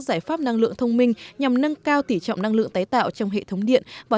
giải pháp năng lượng thông minh nhằm nâng cao tỉ trọng năng lượng tái tạo trong hệ thống điện và